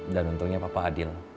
dan untungnya papa adil